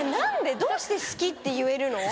どうして好きって言えるの？